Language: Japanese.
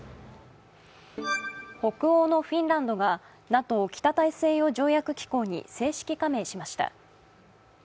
北欧のフィンランドがＮＡＴＯ＝北大西洋条約機構に正式加盟しました。